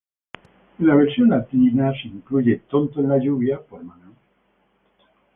En la versión latina, se incluye "Fool in the rain" por Maná.